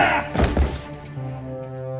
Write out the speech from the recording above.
terima kasih komandan